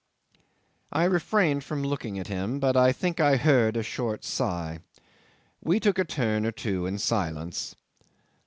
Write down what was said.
'I refrained from looking at him, but I think I heard a short sigh; we took a turn or two in silence.